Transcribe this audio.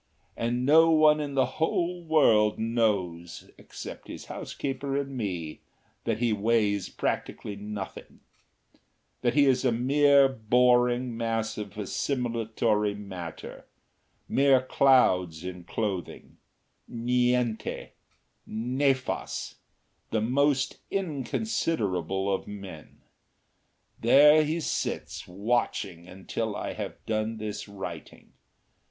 And no one in the whole world knows except his housekeeper and me that he weighs practically nothing; that he is a mere boring mass of assimilatory matter, mere clouds in clothing, niente, nefas, the most inconsiderable of men. There he sits watching until I have done this writing.